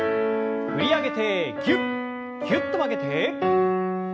振り上げてぎゅっぎゅっと曲げて。